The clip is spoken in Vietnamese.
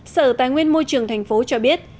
sở tài nguyên môi trường thành phố cho biết